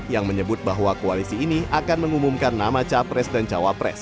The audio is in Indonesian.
yang menyebut bahwa koalisi ini akan mengumumkan nama capres dan cawapres